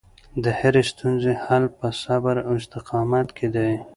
د هرې ستونزې حل په صبر او استقامت کې دی.